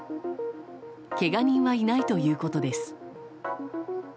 けが人はいないということです。